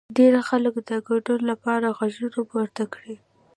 ډېر خلک د ګډون لپاره غږونه پورته کړي.